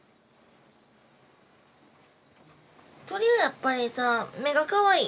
鳥はやっぱりさ目がかわいい。